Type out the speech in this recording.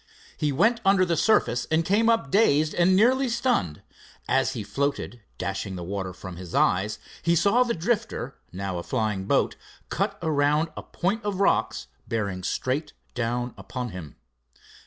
He went under the surface and came up dazed and nearly stunned. As he floated, dashing the water from his eyes, he saw the Drifter, now a flying boat, cut around a point of rocks, bearing straight down upon him.